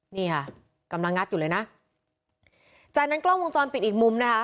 นี่ค่ะกำลังงัดอยู่เลยนะจากนั้นกล้องวงจรปิดอีกมุมนะคะ